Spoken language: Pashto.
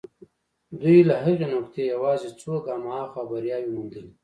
دوی له هغې نقطې يوازې څو ګامه هاخوا برياوې موندلې.